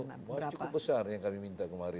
masih cukup besar yang kami minta kemarin